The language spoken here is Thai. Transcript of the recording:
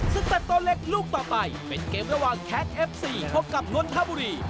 เต็ปตัวเล็กลูกต่อไปเป็นเกมระหว่างแคทเอฟซีพบกับนนทบุรี